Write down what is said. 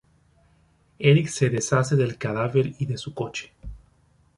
Eric se deshace del cadáver y de su coche.